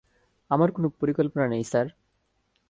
আমার কোন পরিকল্পনা নেই স্যার।